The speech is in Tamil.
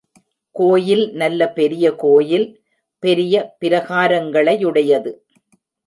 கோயில் நல்ல பெரிய கோயில், பெரிய பிரகாரங்களையுடையது.